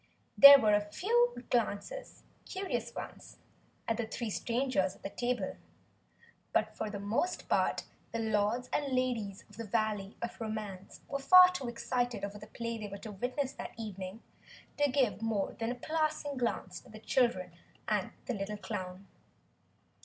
There were a few curious glances at the three strangers at the table, but for the most part the Lords and Ladies of the Valley of Romance were far too excited over the play they were to witness that evening to give more than a passing glance to the children and the little clown.